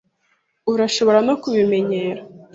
Urashobora no kubimenyera.